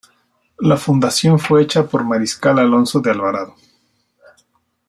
La fundación fue hecha por Mariscal Alonso de Alvarado.